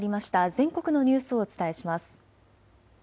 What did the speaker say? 全国のニュースをお伝えします。